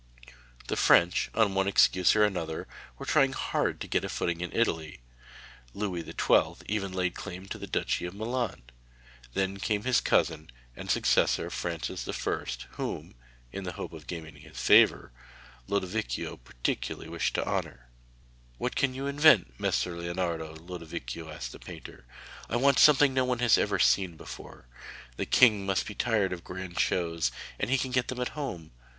The French, on one excuse or another, were trying hard to get a footing in Italy; Louis XII. even laid claim to the Duchy of Milan. Then came his cousin and successor Francis I., whom (in the hope of gaining his favour) Lodovico particularly wished to honour. 'What can you invent, Messer Leonardo?' Lodovico asked the painter. 'I want something no one has ever seen before; the king must be tired of grand shows, and he can get them at home.